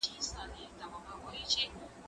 زه پرون ليکنه وکړه؟